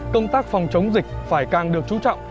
công tác phòng chống dịch phải càng được chú trọng